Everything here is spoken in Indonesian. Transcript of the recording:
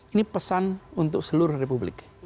ini pesan untuk seluruh republik